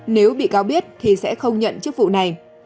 nếu bị cáo biết thì sẽ không nhận chức vụ này